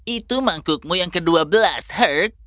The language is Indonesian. itu mangkukmu yang kedua belas her